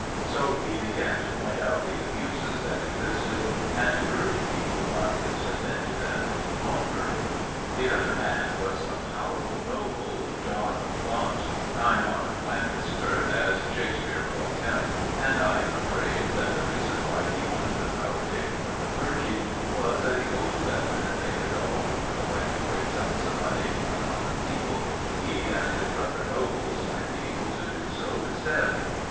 So he began to point out the abuses that existed, and to urge people not to submit to them any longer. The other man was a powerful Noble, 'John of Gaunt Time honoured Lancaster,' as Shakespeare calls him; and I am afraid that the reason why he wanted the power taken from the clergy was, that he hoped that when they could no longer collect great sums of money from the common people, he and his brother Nobles might be able to do so instead.